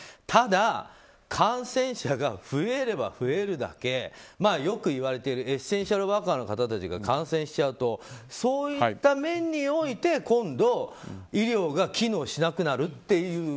ただ感染者が増えれば増えるだけエッセンシャルワーカーの方たちが感染しちゃうとそういった面において今度、医療が機能しなくなるっていう。